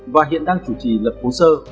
và hiện đang chủ trì lập hồ sơ